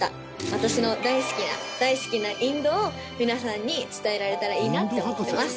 私の大好きな大好きなインドを皆さんに伝えられたらいいなって思ってます。